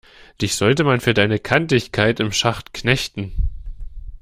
Dich sollte man für deine Kantigkeit im Schacht knechten!